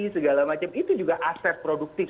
segala macam itu juga aset produktif